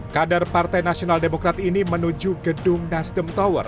kader partai nasional demokrat ini menuju gedung nasdem tower